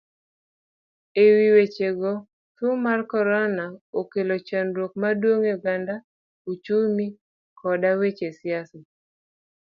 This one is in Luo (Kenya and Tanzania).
Ewi wechego, tuo mar korona okelo chandruok maduong ne oganda, uchumi koda weche siasa.